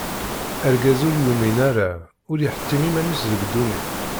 Argaz ur yumin ara, ur yeḥtim iman-is seg dunnit.